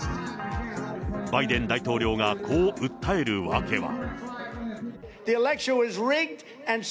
バイデン大統領がこう訴えるわけは。